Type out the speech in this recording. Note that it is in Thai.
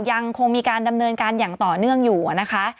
ยังคงมีการดำเนินการอย่างต่อเนื่องอยู่นะคะ